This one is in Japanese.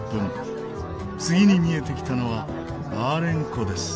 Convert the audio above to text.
次に見えてきたのはヴァーレン湖です。